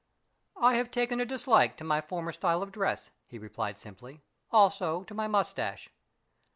"I have taken a dislike to my former style of dress," he replied simply, "also to my moustache."